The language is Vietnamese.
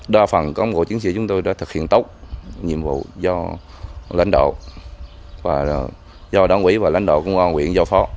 đa phần công cụ chiến sĩ chúng tôi đã thực hiện tốt nhiệm vụ do lãnh đạo do đoàn quỹ và lãnh đạo công an huyện